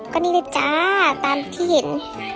ก็นี่เลยจ้าตามที่เห็น